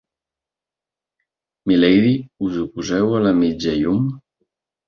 Milady, us oposeu a la mitja llum?